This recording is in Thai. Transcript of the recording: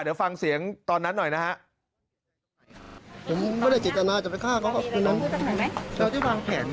เดี๋ยวฟังเสียงตอนนั้นหน่อยนะฮะ